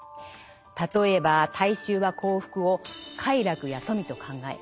例えば大衆は幸福を「快楽」や「富」と考える。